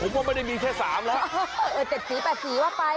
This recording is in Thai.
ผมว่าไม่ได้มีแค่๓แล้ว๗สี๘สีว่าไป